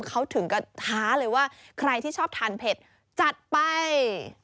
เขาถึงกระท้าเลยว่าใครที่ชอบทานเผ็ดจัดไป